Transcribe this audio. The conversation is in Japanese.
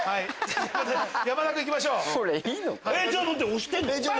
押してんの？